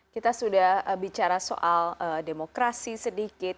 kita sudah bicara soal demokrasi sedikit